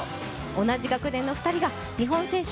同じ学年の２人が日本選手